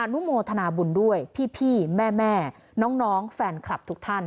นุโมทนาบุญด้วยพี่แม่น้องแฟนคลับทุกท่าน